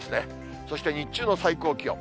そして日中の最高気温。